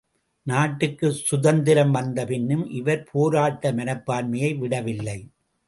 நாட்டுக்குச் சுதந்திரம் வந்த பின்னும் இவர் போராட்ட மனப்பான்மையை விடவில்லை.